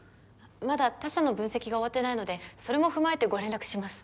まだ他社の分析が終わってないのでそれも踏まえてご連絡します。